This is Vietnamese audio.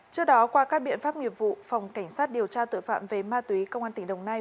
trước đó qua các biện pháp nghiệp vụ phòng cảnh sát điều tra tội phạm về ma túy công an tỉnh đồng nai